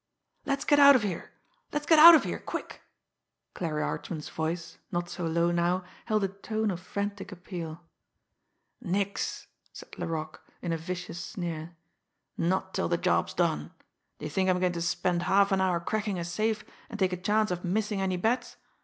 "Let's get out of here! Let's get out of here quick!" Clarie Archman's voice, not so low now, held a tone of frantic appeal. "Nix!" said Laroque, in a vicious sneer. "Not till the job's done! D'ye think I'm going to spend half an hour cracking a safe and take a chance of missing any bets?